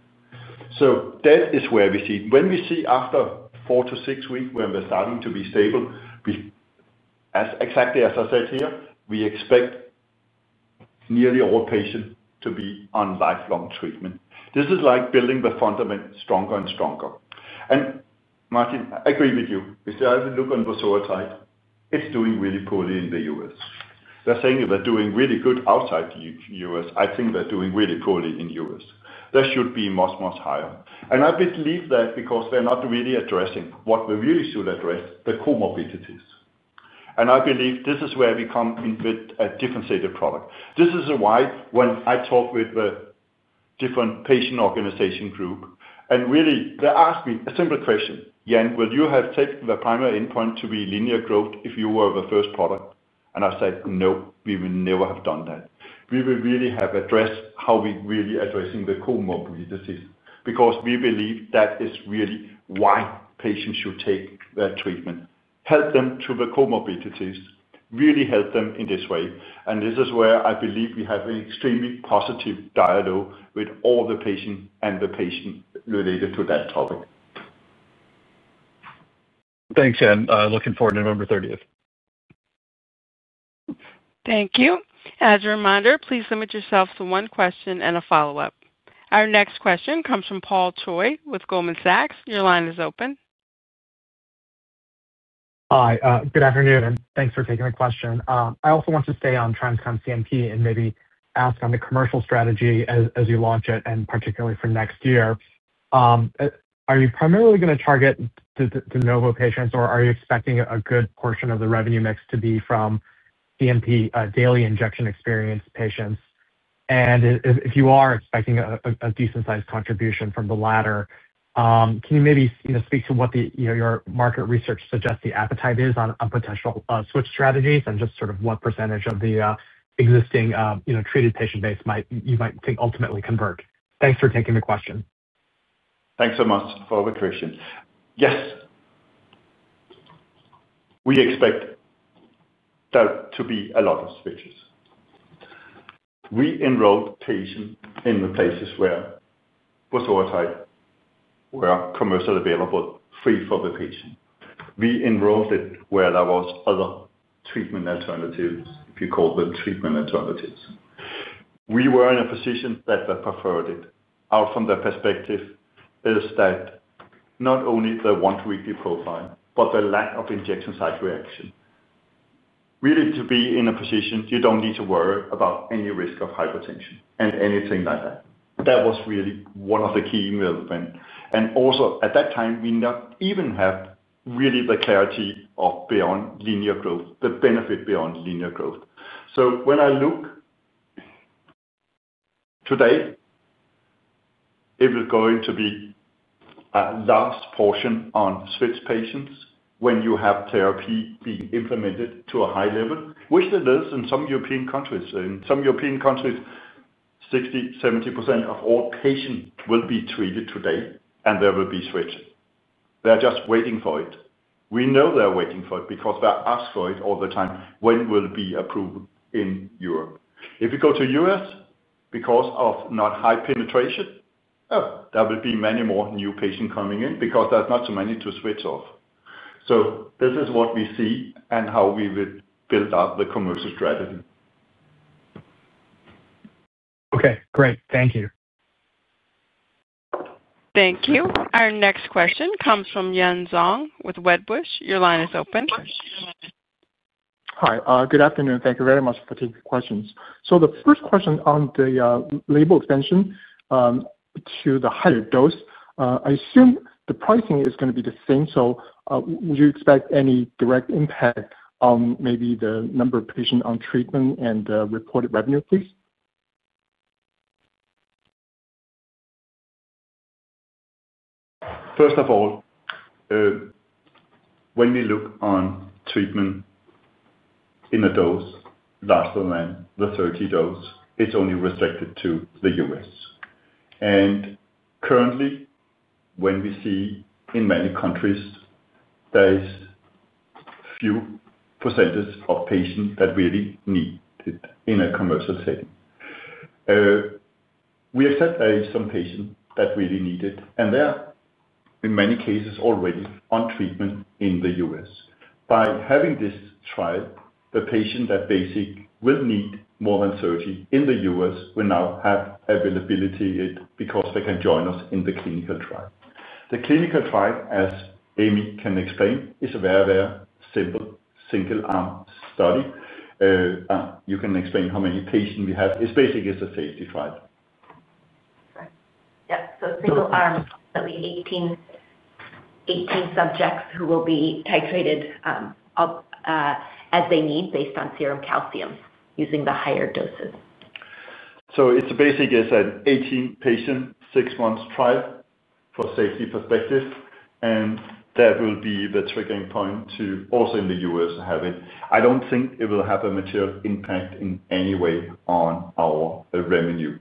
So that is where we see. When we see after four to six weeks when we're starting to be stable, exactly as I said here, we expect nearly all patients to be on lifelong treatment. This is like building the foundation stronger and stronger. And Martin, I agree with you. If you have a look on the SHOX type, it's doing really poorly in the U.S. They're saying they're doing really good outside the U.S. I think they're doing really poorly in the U.S. That should be much, much higher, and I believe that because they're not really addressing what we really should address, the comorbidities, and I believe this is where we come in with a differentiated product. This is why when I talk with the different patient organization group, and really they ask me a simple question, "Jan, will you have taken the primary endpoint to be linear growth if you were the first product?" and I said, "No, we will never have done that. We will really have addressed how we really addressing the comorbidities because we believe that is really why patients should take that treatment, help them to the comorbidities, really help them in this way." And this is where I believe we have an extremely positive dialogue with all the patients and the patients related to that topic. Thanks, Jan. Looking forward to November 30th. Thank you. As a reminder, please limit yourself to one question and a follow-up. Our next question comes from Paul Choi with Goldman Sachs. Your line is open. Hi. Good afternoon. Thanks for taking the question. I also want to stay on TransCon CNP and maybe ask on the commercial strategy as you launch it, and particularly for next year. Are you primarily going to target the de novo patients, or are you expecting a good portion of the revenue mix to be from GH daily injection experience patients? And if you are expecting a decent-sized contribution from the latter, can you maybe speak to what your market research suggests the appetite is on potential switch strategies and just sort of what percentage of the existing treated patient base you might think ultimately convert? Thanks for taking the question. Thanks so much for the question. Yes. We expect there to be a lot of switches. We enrolled patients in the places where GH was already commercially available free for the patient. We enrolled it where there were other treatment alternatives, if you call them treatment alternatives. We were in a position that they preferred it. From their perspective is that not only the once-weekly profile, but the lack of injection site reaction. Really to be in a position, you don't need to worry about any risk of hypertension and anything like that. That was really one of the key developments. And also at that time, we not even have really the clarity of beyond linear growth, the benefit beyond linear growth. So when I look today, it was going to be a large portion on switch patients when you have therapy being implemented to a high level, which it is in some European countries. In some European countries, 60%-70% of all patients will be treated today, and there will be switches. They're just waiting for it. We know they're waiting for it because they ask for it all the time when it will be approved in Europe. If you go to U.S. because of not high penetration, oh, there will be many more new patients coming in because there's not so many to switch off. So this is what we see and how we would build up the commercial strategy. Okay. Great. Thank you. Thank you. Our next question comes from Yun Zhong with Wedbush. Your line is open. Hi. Good afternoon. Thank you very much for taking the questions. So the first question on the label extension to the higher dose, I assume the pricing is going to be the same. So would you expect any direct impact on maybe the number of patients on treatment and reported revenue, please? First of all, when we look on treatment in a dose larger than the 30 dose, it's only restricted to the U.S. Currently, when we see in many countries, there is few percentages of patients that really need it in a commercial setting. We accept some patients that really need it, and they're in many cases already on treatment in the U.S. By having this trial, the patient that basically will need more than 30 in the U.S. will now have availability because they can join us in the clinical trial. The clinical trial, as Aimee can explain, is a very, very simple single-arm study. You can explain how many patients we have. It's basically a safety trial. Yeah. So single-arm, that would be 18 subjects who will be titrated as they need based on serum calcium using the higher doses. So it's basically an 18-patient, six-month trial for safety perspective, and that will be the triggering point to also in the U.S. have it. I don't think it will have a material impact in any way on our revenue.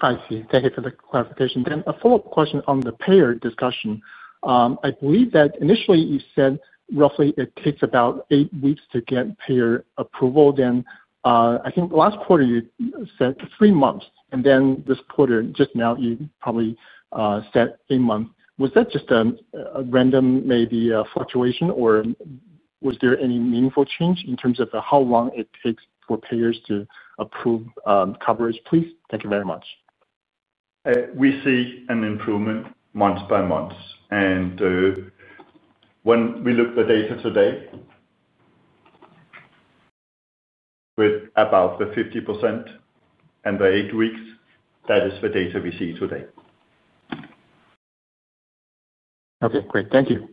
I see. Thank you for the clarification. Then a follow-up question on the payer discussion. I believe that initially you said roughly it takes about eight weeks to get payer approval. Then I think last quarter you said three months, and then this quarter just now you probably said a month. Was that just a random maybe fluctuation, or was there any meaningful change in terms of how long it takes for payers to approve coverage? Please. Thank you very much. We see an improvement month by month. And when we look at the data today, with about the 50% and the eight weeks, that is the data we see today. Okay. Great. Thank you.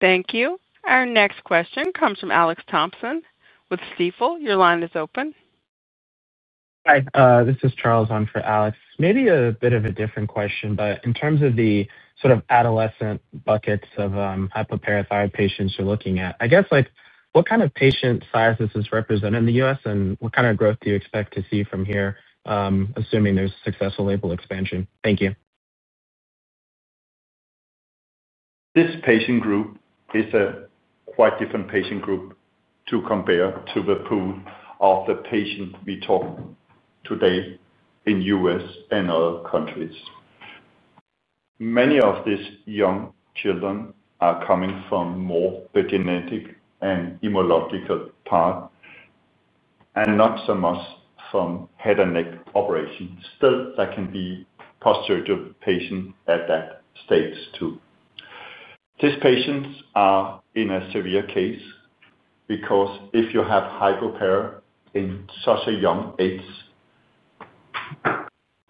Thank you. Our next question comes from Alex Thompson with Stifel. Your line is open. Hi. This is Charles on for Alex Thompson. Maybe a bit of a different question, but in terms of the sort of adolescent buckets of hypoparathyroid patients you're looking at, I guess what kind of patient sizes is represented in the U.S., and what kind of growth do you expect to see from here, assuming there's successful label expansion? Thank you. This patient group is a quite different patient group to compare to the pool of the patients we talked today in U.S. and other countries. Many of these young children are coming from more the genetic and immunological part and not so much from head and neck operations. Still, there can be post-surgical patients at that stage too. These patients are in a severe case because if you have hypoparathyroidism in such a young age, a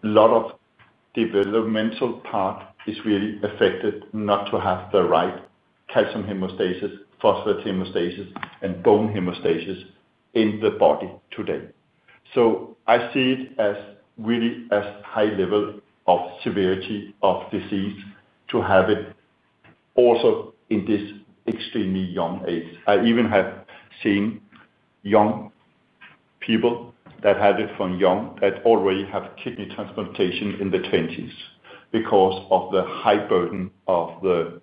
lot of developmental part is really affected not to have the right calcium homeostasis, phosphorus homeostasis, and bone homeostasis in the body today. So I see it as really as high level of severity of disease to have it also in this extremely young age. I even have seen young people that have it from young that already have kidney transplantation in the 20s because of the high burden of the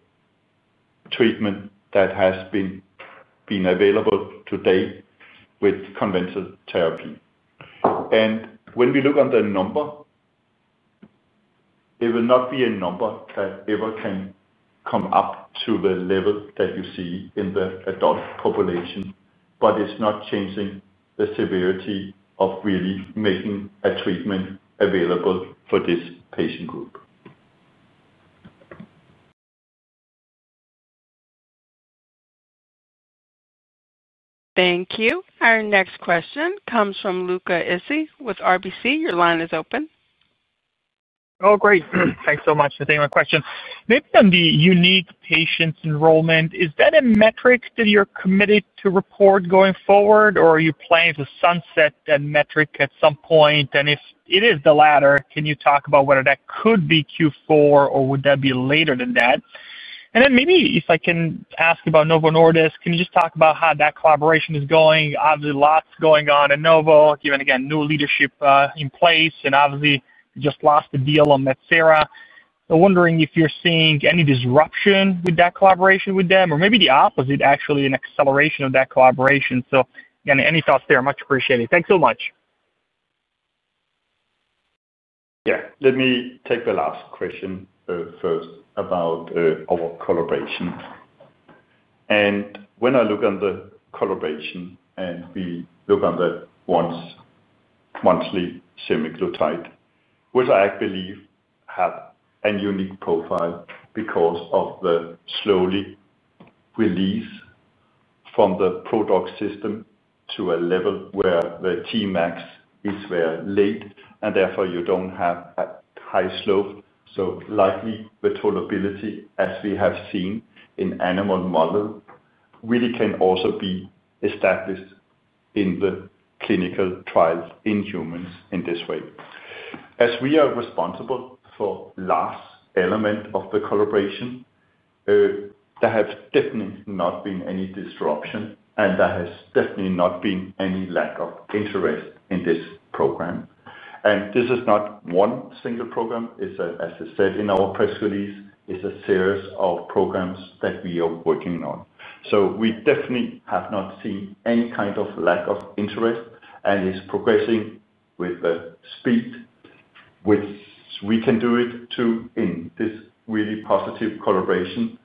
treatment that has been available today with conventional therapy. And when we look on the number, it will not be a number that ever can come up to the level that you see in the adult population, but it's not changing the severity of really making a treatment available for this patient group. Thank you. Our next question comes from Luca Issi with RBC. Your line is open. Oh, great. Thanks so much for taking my question. Maybe on the unique patient enrollment, is that a metric that you're committed to report going forward, or are you planning to sunset that metric at some point? And if it is the latter, can you talk about whether that could be Q4, or would that be later than that? And then maybe if I can ask about Novo Nordisk, can you just talk about how that collaboration is going? Obviously, lots going on at Novo, given again, new leadership in place, and obviously, just lost the deal on Metsera. I'm wondering if you're seeing any disruption with that collaboration with them, or maybe the opposite, actually an acceleration of that collaboration. So again, any thoughts there? Much appreciated. Thanks so much. Yeah. Let me take the last question first about our collaboration, and when I look on the collaboration and we look on the once-monthly semaglutide, which I believe have a unique profile because of the slowly release from the product system to a level where the Tmax is very late, and therefore you don't have a high slope. So likely the tolerability, as we have seen in animal model, really can also be established in the clinical trials in humans in this way. As we are responsible for last element of the collaboration, there has definitely not been any disruption, and there has definitely not been any lack of interest in this program, and this is not one single program. It's a, as I said in our press release, it's a series of programs that we are working on. So we definitely have not seen any kind of lack of interest, and it's progressing with the speed which we can do it too in this really positive collaboration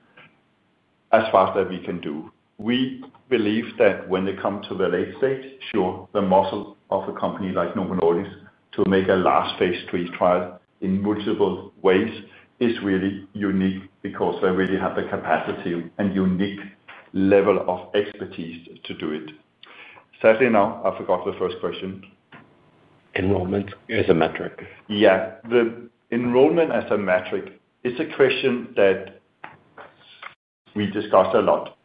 as fast as we can do. We believe that when they come to the late stage, sure, the muscle of a company like Novo Nordisk to make a large phase three trial in multiple ways is really unique because they really have the capacity and unique level of expertise to do it. Sadly now, I forgot the first question. Enrollment as a metric. Yeah. The enrollment as a metric is a question that we discuss a lot,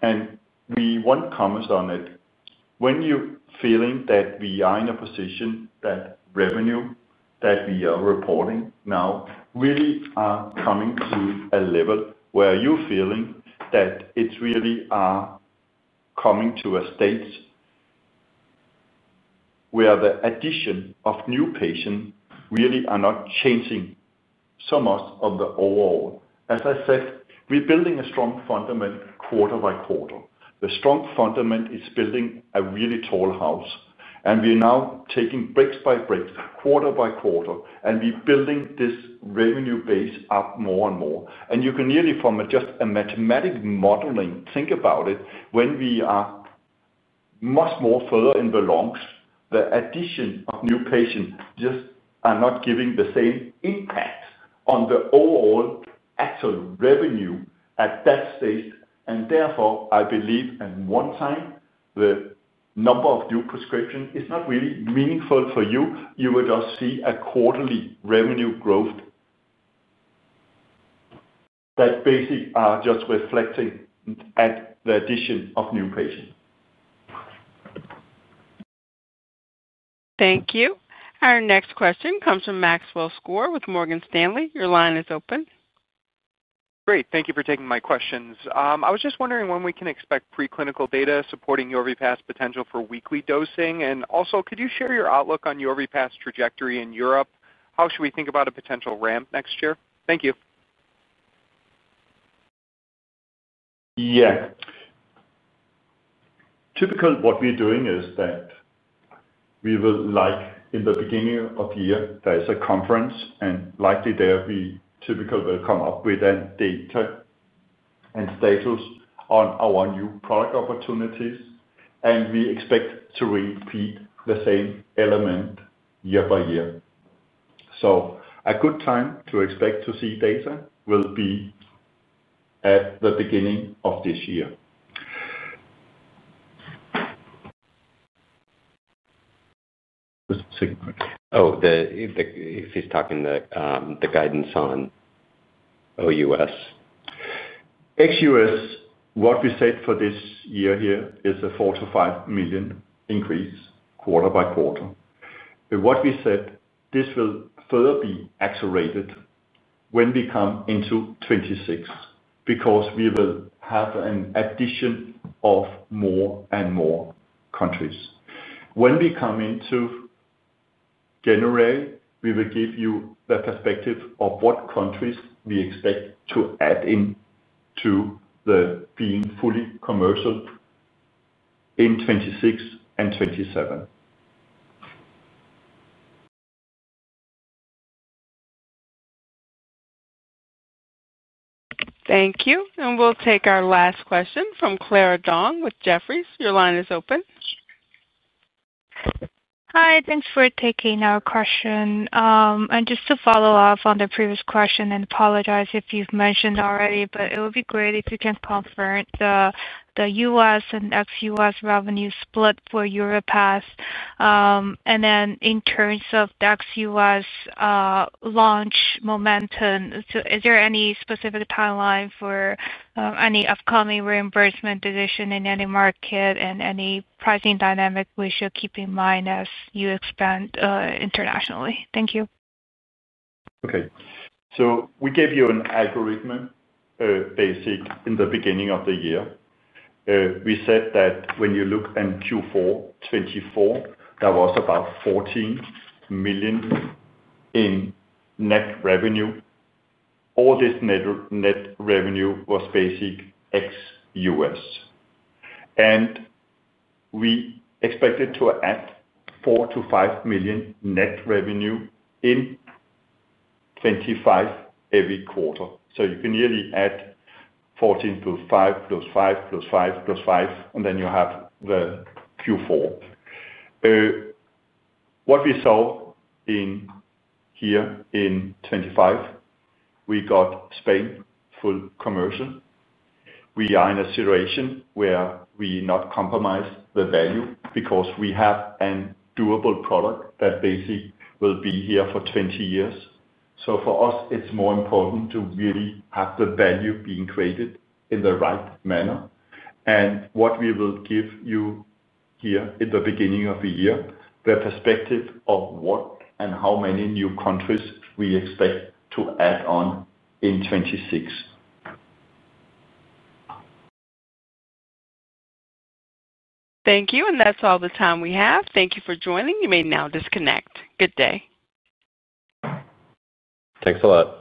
and we want comments on it. When you're feeling that we are in a position that revenue that we are reporting now really are coming to a level where you're feeling that it's really coming to a stage where the addition of new patients really are not changing so much of the overall. As I said, we're building a strong foundation quarter by quarter. The strong foundation is building a really tall house, and we're now taking brick by brick quarter by quarter, and we're building this revenue base up more and more, and you can really from just a mathematical modeling think about it. When we are much more further in the long run, the addition of new patients just are not giving the same impact on the overall actual revenue at that stage, and therefore, I believe at one time, the number of new prescriptions is not really meaningful for you. You will just see a quarterly revenue growth that basically are just reflecting at the addition of new patients. Thank you. Our next question comes from Maxwell Skor with Morgan Stanley. Your line is open. Great. Thank you for taking my questions. I was just wondering when we can expect preclinical data supporting Yorvipath potential for weekly dosing. And also, could you share your outlook on Yorvipath trajectory in Europe? How should we think about a potential ramp next year? Thank you. Yeah. Typically, what we're doing is that we would like in the beginning of the year, there is a conference, and likely there we typically will come up with data and status on our new product opportunities, and we expect to repeat the same element year by year. So a good time to expect to see data will be at the beginning of this year. Just a second. Oh, if he's talking the guidance on ex-US, what we said for this year here is a 4-5 million increase quarter by quarter. What we said, this will further be accelerated when we come into 2026 because we will have an addition of more and more countries. When we come into January, we will give you the perspective of what countries we expect to add into being fully commercial in 2026 and 2027. Thank you. And we'll take our last question from Clara Dong with Jefferies. Your line is open. Hi. Thanks for taking our question. And just to follow up on the previous question, and apologize if you've mentioned already, but it would be great if you can confirm the US and ex-US revenue split for Yorvipath. Then in terms of the ex-US launch momentum, is there any specific timeline for any upcoming reimbursement decision in any market and any pricing dynamic we should keep in mind as you expand internationally? Thank you. Okay. We gave you a basic algorithm in the beginning of the year. We said that when you look at Q4 2024, there was about $14 million in net revenue. All this net revenue was ex-US. We expected to add $4-5 million net revenue in 2025 every quarter. You can nearly add 14 plus 5 plus 5 plus 5 plus 5, and then you have the Q4. What we saw here in 2025, we got Spain full commercial. We are in a situation where we not compromise the value because we have a durable product that basically will be here for 20 years. So for us, it's more important to really have the value being created in the right manner. And what we will give you here in the beginning of the year, the perspective of what and how many new countries we expect to add on in 2026. Thank you. And that's all the time we have. Thank you for joining. You may now disconnect. Good day. Thanks a lot.